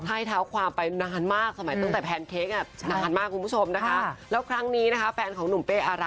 ใช่เท้าความไปนานมากตั้งแต่แพนเค้กน่ะ